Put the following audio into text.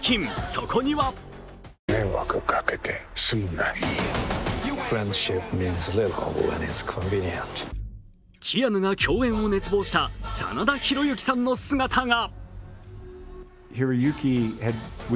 そこにはキアヌが共演を熱望した真田広之さんの姿が。